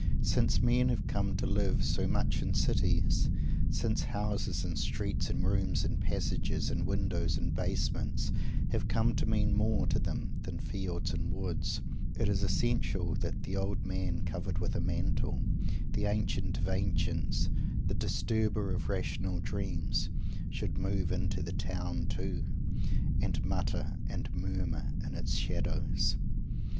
Since men have come to live so much in cities; since houses and streets and rooms and passages and windows and basements have come to mean more to them than fields and woods, it is essential that "the Old Man covered with a Mantle," the Ancient of Ancients, the Disturber of Rational Dreams, should move into the town, too, and mutter and murmur in its shadows!